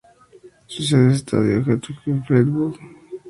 Su sede es el Estadio Highbury en Fleetwood.